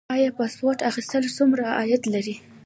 آیا پاسپورت اخیستل څومره عاید لري؟